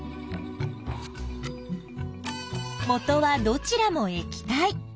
もとはどちらも液体。